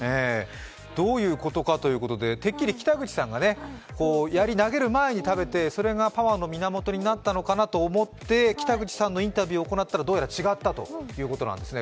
どういうことかということで、てっきり北口さんがやりを投げる前に食べてそれがパワーの源になったのかと思って北口さんのインタビューを行ったらどうやら違ったということなんですね。